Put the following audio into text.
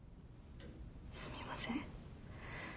すみません。